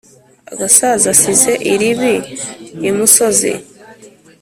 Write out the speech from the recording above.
agasaza asize iribi imusozi.